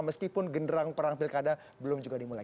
meskipun genderang perang pilkada belum juga dimulai